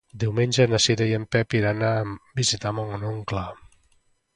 Diumenge na Cira i en Pep iran a visitar mon oncle.